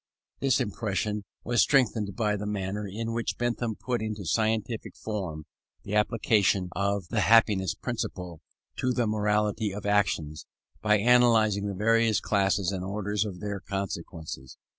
This impression was strengthened by the manner in which Bentham put into scientific form the application of the happiness principle to the morality of actions, by analysing the various classes and orders of their consequences.